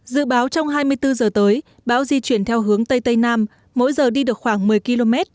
dự báo trong hai mươi bốn giờ tới bão di chuyển theo hướng tây tây nam mỗi giờ đi được khoảng một mươi km